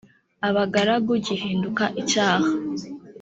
abagaragu gihinduka icyaha